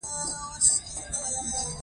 د فقر او نیستۍ کچه څومره ده؟